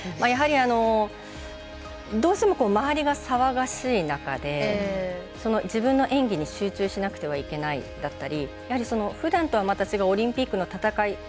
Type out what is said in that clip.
やはりどうしても周りが騒がしい中で自分の演技に集中しなくてはいけないだったりやはりふだんとはまた違うオリンピックの戦い